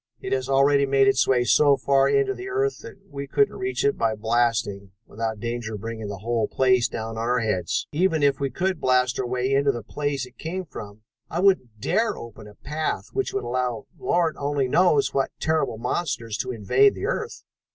It has already made its way so far into the earth that we couldn't reach it by blasting without danger of bringing the whole place down on our heads. Even if we could blast our way into the place it came from I wouldn't dare open a path which would allow Lord only knows what terrible monsters to invade the earth.